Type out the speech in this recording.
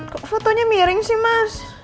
kok fotonya miring sih mas